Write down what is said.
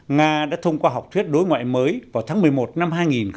nga đã thông qua học thuyết đối ngoại mới vào tháng một mươi một năm hai nghìn một mươi chín